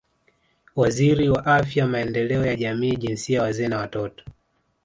Waziri wa Afya Maendeleo ya Jamii Jinsia Wazee na Watoto